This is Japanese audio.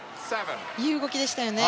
いい動きでしたよね。